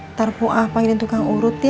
ntar puas panggilin tukang urut ya